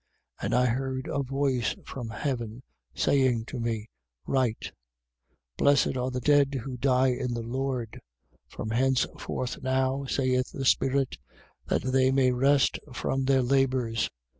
14:13. And I heard a voice from heaven, saying to me: Write: Blessed are the dead who die in the Lord. From henceforth now, saith the Spirit, that they may rest from their labours.